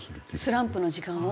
スランプの時間を？